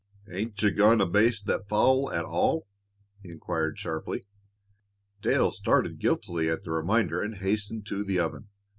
"Ain't you goin' to baste that fowl at all?" he inquired sharply. Dale started guiltily at the reminder and hastened to the oven.